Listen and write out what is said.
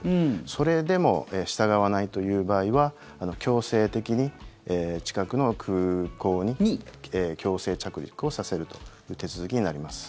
それでも従わないという場合は強制的に近くの空港に強制着陸をさせるという手続きになります。